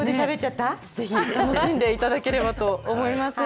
ぜひ楽しんでいただければとお願いします。